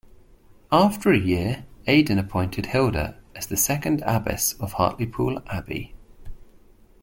After a year Aidan appointed Hilda as the second Abbess of Hartlepool Abbey.